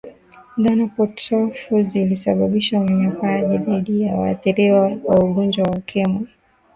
dhana potofu zilisababisha unyanyapaaji dhidi ya waathiriwa wa ugonjwa wa ukimwi